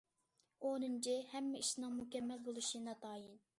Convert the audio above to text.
ئونىنچى، ھەممە ئىشىنىڭ مۇكەممەل بولۇشى ناتايىن.